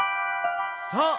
そう！